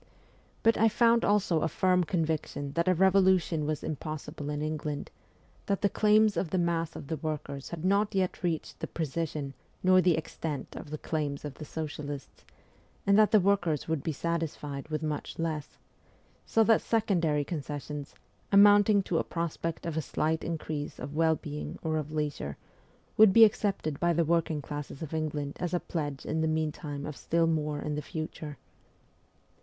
But I found also a firm conviction that a revolution was impossible in England ; that the claims of the mass of the workers had not yet reached the precision nor the extent of the claims of the socialists, and that the workers would be satisfied with much less ; so that secondary concessions, amounting to a prospect of a slight increase of well being or of leisure, would be accepted by the working classes of England as a pledge in the meantime of still more in the future.